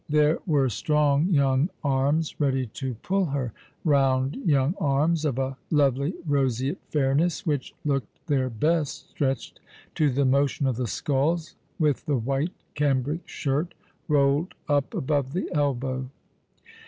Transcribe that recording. There were strong young arms ready to pull her — round young arms, of a lovely roseate fairness, which looked their best, stretched to the motion of the sculls, with the white cambric shirt rolled up above the elbow.